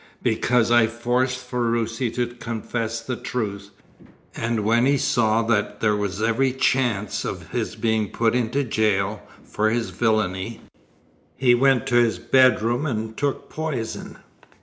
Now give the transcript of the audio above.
"Because I forced Ferruci to confess the truth, and when he saw that there was every chance of his being put into jail for his villainy, he went to his bedroom and took poison.